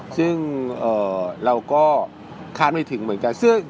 ซึ่งเอ่อเราก็คาดเจอนังไหวที่ลาค้างไม่ถึงะ